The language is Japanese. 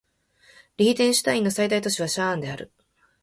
リヒテンシュタインの最大都市はシャーンである